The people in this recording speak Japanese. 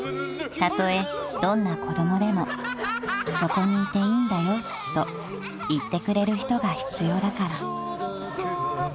［「たとえどんな子供でもそこにいていいんだよと言ってくれる人が必要だから」］